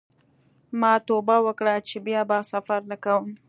ما توبه وکړه چې بیا به سفر نه کوم.